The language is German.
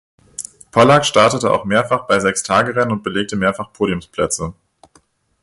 Pollack startete auch mehrfach bei Sechstagerennen und belegte mehrfach Podiumsplätze.